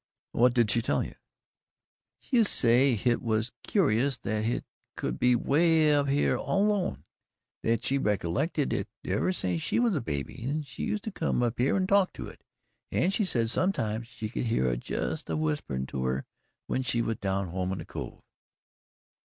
"What did she tell you?" "She used to say hit was curious that hit should be 'way up here all alone that she reckollected it ever since SHE was a baby, and she used to come up here and talk to it, and she said sometimes she could hear it jus' a whisperin' to her when she was down home in the cove."